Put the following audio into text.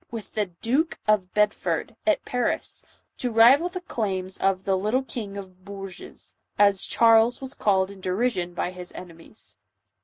with the Duke of Bedford, at Paris, to rival the claims of the " little king of Bour ges," as Charles was called in derision by his enemies.